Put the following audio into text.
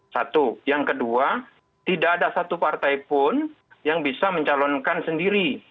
satu yang kedua tidak ada satu partai pun yang bisa mencalonkan sendiri